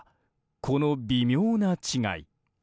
この微妙な違い。